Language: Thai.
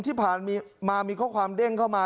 ที่ผ่านมีมา